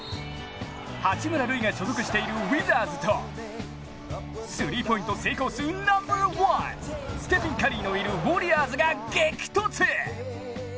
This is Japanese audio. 八村塁が所属しているウィザーズと、スリーポイント成功数ナンバーワンステフィン・カリーのいるウォリアーズが激突！